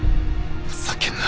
ふざけんな！